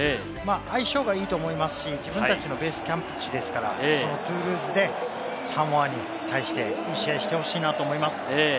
相性がいいと思いますし、自分たちのベースキャンプ地ですから、トゥールーズでサモアに対して、いい試合をしてほしいなと思います。